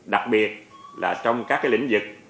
đặc biệt là trong các lĩnh vực